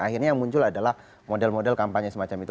akhirnya yang muncul adalah model model kampanye semacam itu